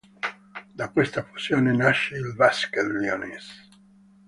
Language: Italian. Da questa fusione nasce il Basket Leonesse.